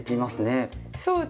そうですね。